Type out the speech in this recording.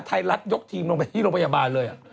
ไทยรัฐยกทีมลงไปที่โรงพยาบาลเลย